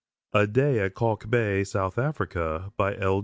A DAY AT KALK BAY, SOUTH AFRICA L.